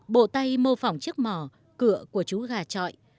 bộ tay mô phỏng chiếc mỏ cửa của chú gà trọi